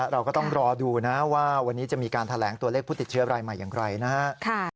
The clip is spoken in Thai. เราก็ต้องรอดูนะว่าวันนี้จะมีการแถลงตัวเลขผู้ติดเชื้อรายใหม่อย่างไรนะฮะ